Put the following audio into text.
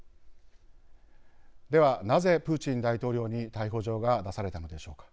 ではなぜプーチン大統領に逮捕状が出されたのでしょうか。